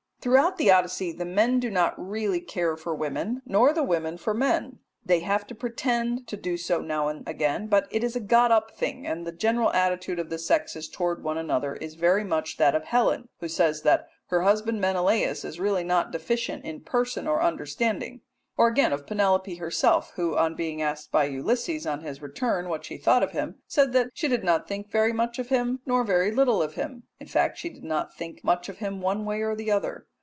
Throughout the Odyssey the men do not really care for women, nor the women for men; they have to pretend to do so now and again, but it is a got up thing, and the general attitude of the sexes towards one another is very much that of Helen, who says that her husband Menelaus is really not deficient in person or understanding: or again of Penelope herself, who, on being asked by Ulysses on his return what she thought of him, said that she did not think very much of him nor very little of him; in fact, she did not think much about him one way or the other.